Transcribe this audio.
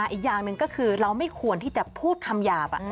อีกอย่างหนึ่งก็คือเราไม่ควรที่จะพูดคำหยาบ